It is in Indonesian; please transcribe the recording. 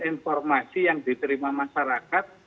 informasi yang diterima masyarakat